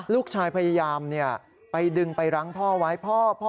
ลูกชายพยายามไปดึงไปรั้งพ่อไว้พ่อ